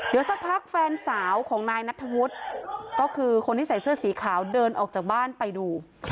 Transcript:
เดี๋ยวสักพักแฟนสาวของนายนัทธวุฒิก็คือคนที่ใส่เสื้อสีขาวเดินออกจากบ้านไปดู